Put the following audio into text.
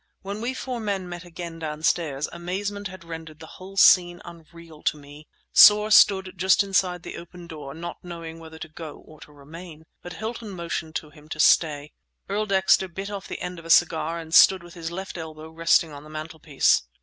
When we four men met again downstairs, amazement had rendered the whole scene unreal to me. Soar stood just within the open door, not knowing whether to go or to remain; but Hilton motioned to him to stay. Earl Dexter bit off the end of a cigar and stood with his left elbow resting on the mantelpiece.